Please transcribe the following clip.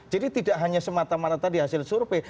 jadi tidak hanya semata mata tadi hasil survei